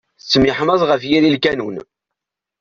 Tettemyeḥmaẓ ɣef yiri lkanun.